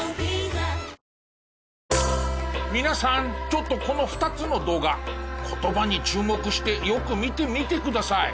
ちょっとこの２つの動画言葉に注目してよく見てみてください。